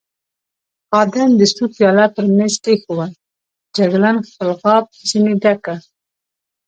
خادم د سوپ پیاله پر مېز کېښوول، جګړن خپل غاب ځنې ډک کړ.